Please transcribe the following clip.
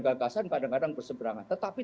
gagasan kadang kadang berseberangan tetapi